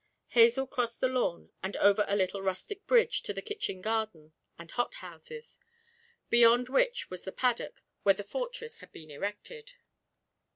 Hazel crossed the lawn and over a little rustic bridge to the kitchen garden and hothouses, beyond which was the paddock, where the fortress had been erected.